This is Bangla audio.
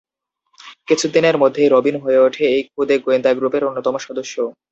কিছুদিনের মধ্যেই রবিন হয়ে ওঠে এই ক্ষুদে গোয়েন্দা গ্রুপের অন্যতম সদস্য।